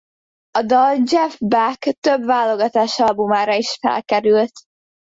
A dal Jeff Beck több válogatásalbumára is felkerült.